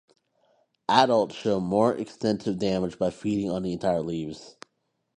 Adult show more extensive damage by feeding on the entire leaves.